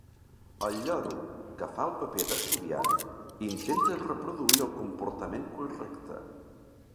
El lloro, que fa el paper d'estudiant, intenta reproduir el comportament correcte.